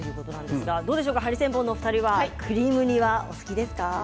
ハリセンボンのお二人はクリーム煮はお好きですか。